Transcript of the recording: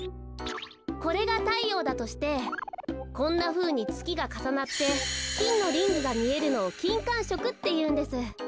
これがたいようだとしてこんなふうにつきがかさなってきんのリングがみえるのをきんかんしょくっていうんです。